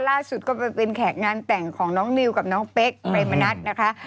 ล่าสุดก็ไปเป็นแขกงานแต่งของน้องนิวกับน้องเป๊กเรมณัฐนะคะ